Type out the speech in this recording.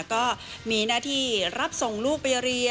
ก็มีหน้าที่รับส่งลูกไปเรียน